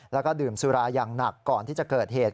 แล้วก็ดื่มสุราอย่างหนักก่อนที่จะเกิดเหตุ